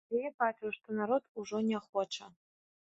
Але я бачыў, што народ ужо не хоча.